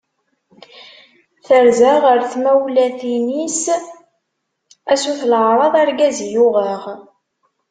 Terza ɣer tmawlatin-is, a sut leɛraḍ argaz i uɣeɣ.